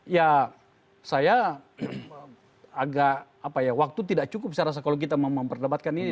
ya saya agak waktu tidak cukup saya rasa kalau kita mau memperdebatkan ini